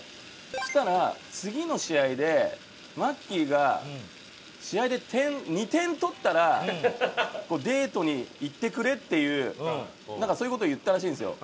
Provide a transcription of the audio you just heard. そしたら次の試合でマッキーが試合で２点取ったらデートに行ってくれっていうなんかそういう事を言ったらしいんですよ。